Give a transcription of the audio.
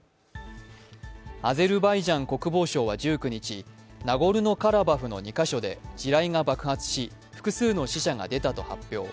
アゼルバイジャン国防省は１９日、ナゴルノ・カラバフの２か所で地雷が爆発し複数の死者が出たと発表。